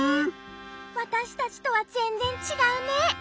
わたしたちとはぜんぜんちがうね。